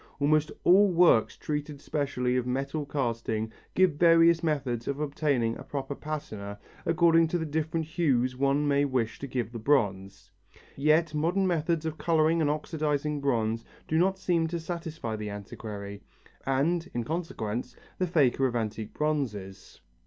Almost all works treating specially of metal casting give various methods for obtaining a proper patina according to the different hues one may wish to give the bronze. Yet modern methods of colouring and oxidizing bronze do not seem to satisfy the antiquary and, in consequence, the faker of antique bronzes.